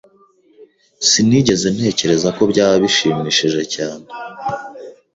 Sinigeze ntekereza ko byaba bishimishije cyane.